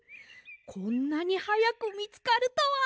こんなにはやくみつかるとは！